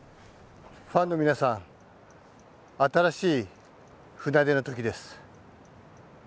ファンの皆さん、新しい船出のときです。